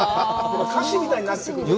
歌詞みたいになってくるよね。